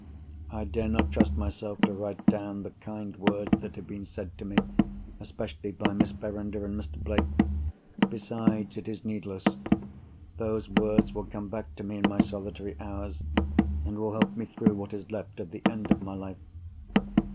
I dare not trust myself to write down, the kind words that have been said to me especially by Miss Verinder and Mr. Blake. Besides, it is needless. Those words will come back to me in my solitary hours, and will help me through what is left of the end of my life.